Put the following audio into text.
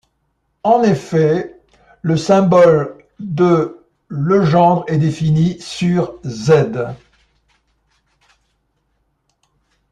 En effet, le symbole de Legendre est défini sur ℤ.